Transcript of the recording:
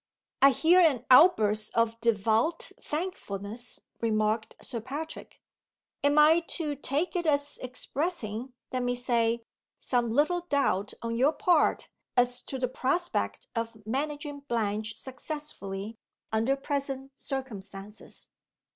"I hear an outburst of devout thankfulness," remarked Sir Patrick. "Am I to take it as expressing let me say some little doubt, on your part, as to the prospect of managing Blanche successfully, under present circumstances?"